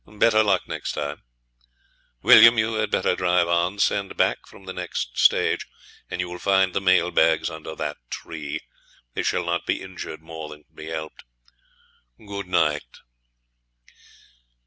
Better luck next time. William, you had better drive on. Send back from the next stage, and you will find the mail bags under that tree. They shall not be injured more than can be helped. Good night!'